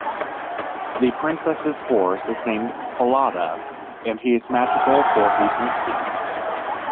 The princess's horse is named Falada, and he is magical for he can speak.